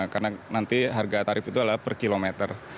karena nanti harga tarif itu adalah per kilometer